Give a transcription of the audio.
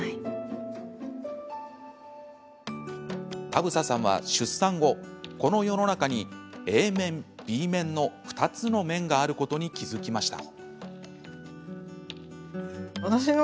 田房さんは、出産後この世の中にＡ面、Ｂ面の２つの面があることに気付きました。